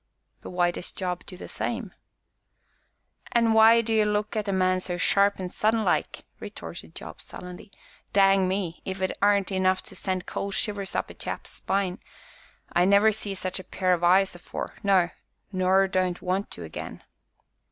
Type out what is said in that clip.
"But why does Job do the same?" "An' why do 'ee look at a man so sharp an' sudden like?" retorted Job sullenly; "dang me! if it aren't enough to send cold shivers up a chap's spine I never see such a pair o' eyes afore no nor don't want to again."